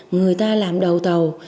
người ta làm đầu tàu